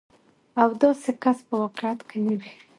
او داسې کس په واقعيت کې نه وي.